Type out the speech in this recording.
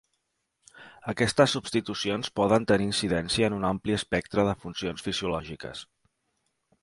Aquestes substitucions poden tenir incidència en un ampli espectre de funcions fisiològiques.